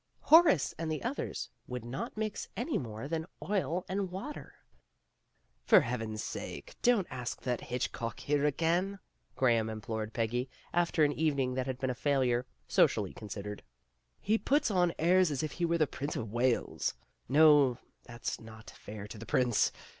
Horace and the others would not mix any more 'than oil and water. "For Heaven's sake, don't ask that Hitch cock here again," Graham implored Peggy, after an evening that had been a failure, PRISCILLA HAS A SECRET 87 socially considered. "He puts on airs as if he were the Prince of Wales no, that's not fair to the prince.